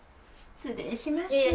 失礼します。